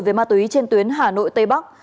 về ma túy trên tuyến hà nội tây bắc